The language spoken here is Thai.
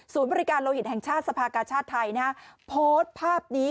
บริการโลหิตแห่งชาติสภากาชาติไทยนะฮะโพสต์ภาพนี้